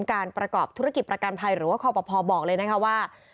การประกอบธุรกิจประกันภัยหรือว่าคอปภบอกเลยนะคะว่า